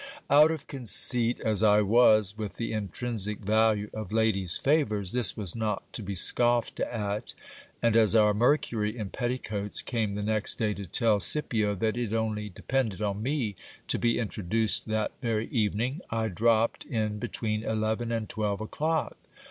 Out of conceit as I was with the intrinsic value of ladies' favours, this was not to be scoffed at ; and as our Mercury in petticoats came the next day to tell Scipio that it only depended on me to be introduced that very evening, I drop ped in between eleven and twelve o'clock.